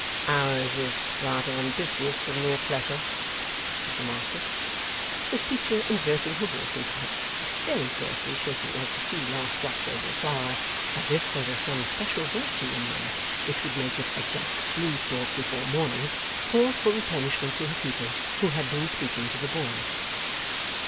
'Ours is rather on business than mere pleasure,' said the Master. Miss Peecher inverting her watering pot, and very carefully shaking out the few last drops over a flower, as if there were some special virtue in them which would make it a Jack's beanstalk before morning, called for replenishment to her pupil, who had been speaking to the boy.